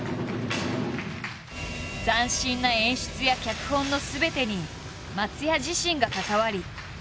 斬新な演出や脚本のすべてに松也自身が関わり作り上げた。